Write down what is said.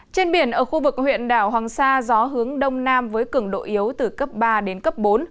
trên biển ở khu vực huyện đảo hoàng sa gió hướng đông nam với cường độ yếu từ cấp ba đến cấp bốn